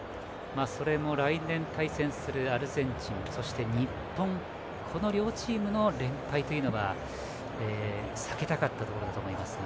それも来年対戦するアルゼンチンそして日本、この両チームの連敗というのは避けたかったと思いますが。